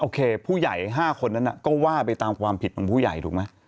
ผู้ใหญ่๕คนนั้นก็ว่าไปตามความผิดของผู้ใหญ่ถูกไหม